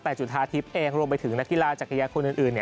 แต่จุธาทิพย์เองรวมไปถึงนักกีฬาจักรยานคนอื่น